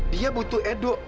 dia butuh edo